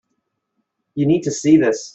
You need to see this.